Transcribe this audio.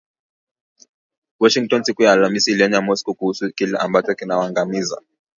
Washington siku ya Alhamisi iliionya Moscow kuhusu kile ambacho kinawaangamiza